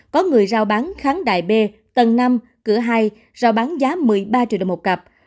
có người giao bán kháng đại b tầng năm cửa hai rồi bán giá một mươi ba triệu đồng một cặp